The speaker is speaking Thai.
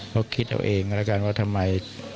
ก็คิดเอาเองกับการว่าทำไม